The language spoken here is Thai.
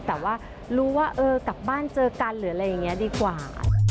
แต่ว่ารู้ว่าเออกลับบ้านเจอกันหรืออะไรอย่างนี้ดีกว่า